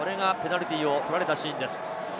これがペナルティーを取られたシーンです。